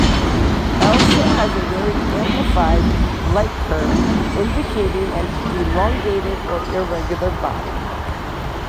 Elsa has very amplified lightcurve indicating an elongated or irregular body.